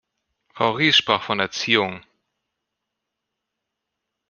Frau Ries sprach von Erziehung.